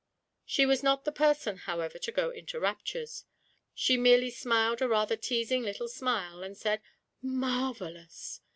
She was not the person, however, to go into raptures; she merely smiled a rather teasing little smile, and said, 'Mar vellous!'